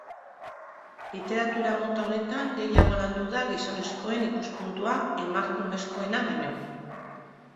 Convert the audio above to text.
Literatura mota honetan gehiago landu da gizonezkoen ikuspuntua emakumezkoena baino.